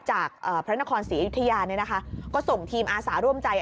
พระนครศรีอยุธยาเนี่ยนะคะก็ส่งทีมอาสาร่วมใจ